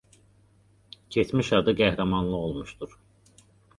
Keçmiş adı Qəhrəmanlı olmuşdur.